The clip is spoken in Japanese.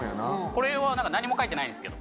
これは何も書いてないんですけど。